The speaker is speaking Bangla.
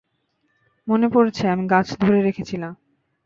মনে পড়ছে, আমি গাছ ধরে রেখেছিলাম।